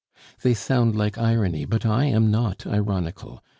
"They sound like irony, but I am not ironical!